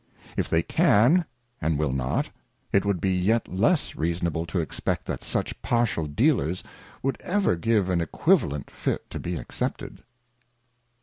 If they can and will not, it would be yet less reasonable to expect that such partial dealers would ever give an Equivalent fit to be accepted.